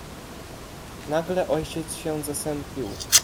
"Nagle ojciec się zasępił."